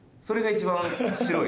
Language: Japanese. それが一番白い。